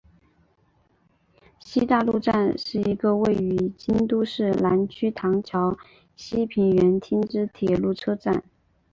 西大路站是一个位于京都市南区唐桥西平垣町之铁路车站。